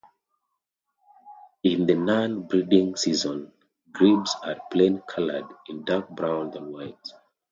In the non-breeding season, grebes are plain-coloured in dark browns and whites.